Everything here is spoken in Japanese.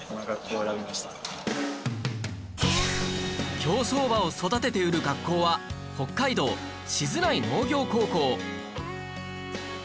競走馬を育てて売る学校は北海道静内農業高校